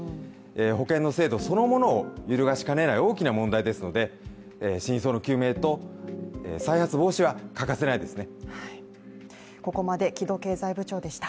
保険の制度そのものを揺るがしかねない大きな問題ですので、真相の究明と、再発防止は欠かせないですね。